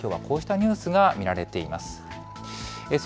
きょうはこうしたニュースが見られています。